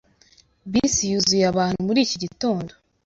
Bisi yuzuye abantu muri iki gitondo.